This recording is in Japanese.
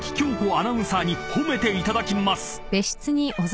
アナウンサーに褒めていただきます］